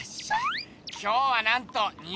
今日はなんと！